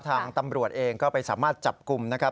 ทางตำรวจเองก็ไปสามารถจับกลุ่มนะครับ